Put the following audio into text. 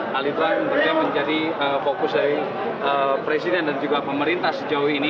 hal itulah yang tentunya menjadi fokus dari presiden dan juga pemerintah sejauh ini